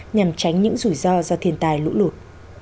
nhằm tránh những rủi ro do thiền tài lũ lụt